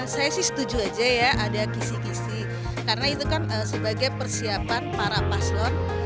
saya sih setuju aja ya ada kisi kisi karena itu kan sebagai persiapan para paslon